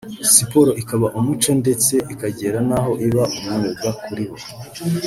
siporo ikaba umuco ndetse ikagera n’aho iba umwuga kuri bo